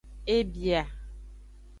E bia.